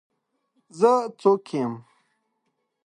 زه څوک یم؟